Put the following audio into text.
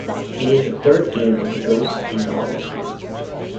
It is the third game in the "Ghosts 'n Goblins" series.